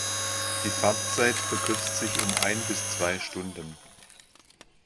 Die Fahrtzeit verkürzt sich um ein bis zwei Stunden.